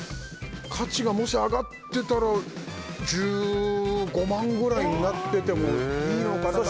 価値がもし上がってたら１５万くらいになっててもいいのかなと。